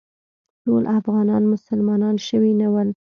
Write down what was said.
ټول افغانان مسلمانان شوي نه ول.